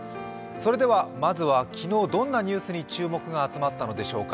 まずは昨日、どんなニュースに注目が集まったのでしょうか？